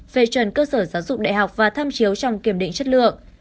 về chuẩn cơ sở giáo dục đại học và tham chiếu trong kiểm định chất lượng